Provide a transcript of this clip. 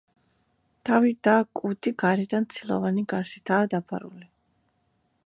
თავი და კუდი გარედან ცილოვანი გარსითაა დაფარული.